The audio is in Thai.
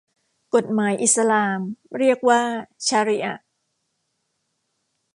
กฎหมายอิสลามเรียกว่าชาริอะฮ์